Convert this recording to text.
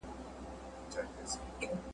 انګرېزان مورچلونه نیسي.